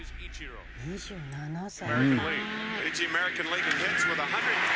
２７歳。